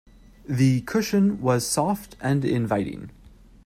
The cushion was soft and inviting.